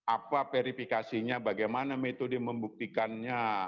apa verifikasinya bagaimana metode membuktikannya